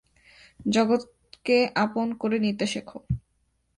জগৎকে আপন করে নিতে শেখ।